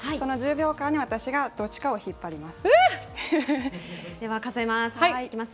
秒間に私がどっちかを引っ張ります。